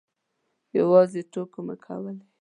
یوازې ټوکې مو کولې.